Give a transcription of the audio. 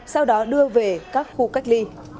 sau đó đưa về các khu cách ly